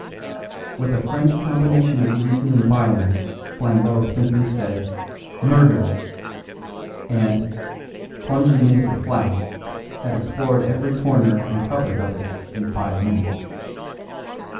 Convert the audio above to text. With a French combination of reason and violence Flambeau simply said "Murder!" and, plunging into the flat, had explored, every corner and cupboard of it in five minutes.